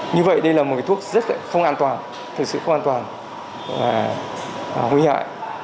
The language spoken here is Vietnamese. như vậy đây là một cái thuốc rất là không an toàn thật sự không an toàn và nguy hại